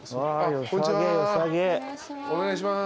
お願いします。